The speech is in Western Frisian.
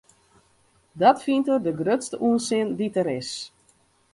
Dat fynt er de grutste ûnsin dy't der is.